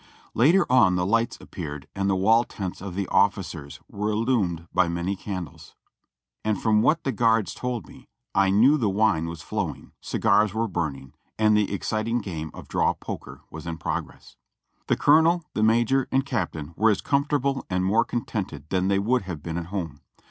Later on the lights appeared and the wall tents of the offi cers were illumined by many candles, and from what the guards told me I knew the wine was flowing, cigars were burning, and the exciting game of draw^ poker was in progress. The colonel, the major and captain were as comfortable and more contented than they would have been at home.